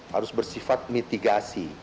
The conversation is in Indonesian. harus bersifat mitigasi